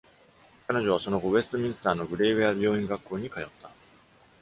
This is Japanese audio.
彼女はその後ウェストミンスターのグレーウェア病院学校に通った。